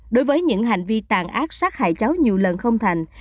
đối với những hành vi tàn ác sát hại cháu nhiều lần không thành